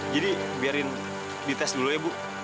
jadi biarin dites dulu ya bu